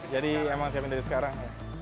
jadi emang siapin dari sekarang